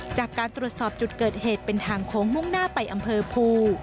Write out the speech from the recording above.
จากการตรวจสอบจุดเกิดเหตุเป็นทางโค้งมุ่งหน้าไปอำเภอภู